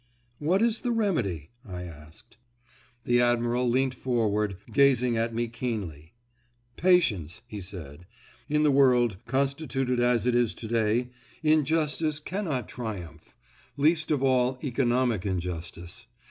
"What is the remedy?" I asked. The Admiral leant forward, gazing at me keenly. "Patience," he said. "In the world, constituted as it is today, injustice cannot triumph. Least of all economic injustice.